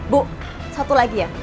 bu satu lagi ya